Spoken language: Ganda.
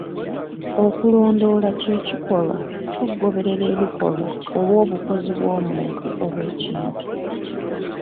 Okulondoola ky'ekikolwa ky'okugoberera ebikolwa oba obukozi bw'omuntu oba ekintu.